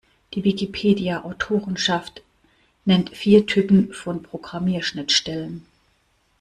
Die Wikipedia-Autorenschaft nennt vier Typen von Programmierschnittstellen.